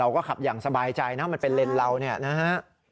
ก็ขับอย่างสบายใจนะมันเป็นเลนส์เราเนี่ยนะฮะ